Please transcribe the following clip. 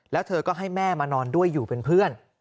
แล้วเธอก็ให้แม่มานอนด้วยอยู่เป็นเพื่อน